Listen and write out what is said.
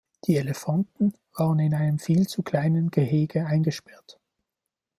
Die Elefanten waren in einem viel zu kleinen Gehege eingesperrt.